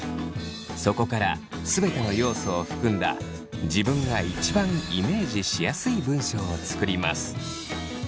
そこから全ての要素を含んだ自分が一番イメージしやすい文章を作ります。